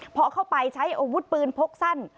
พอเข้าไปใช้อาวุธปืนพกสั้น